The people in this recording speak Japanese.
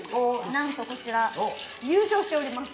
なんとこちら優勝しております。